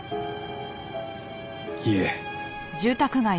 いえ。